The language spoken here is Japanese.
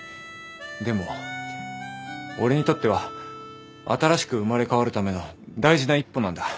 でも俺にとっては新しく生まれ変わるための大事な一歩なんだ。